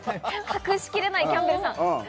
隠しきれないキャンベルさん。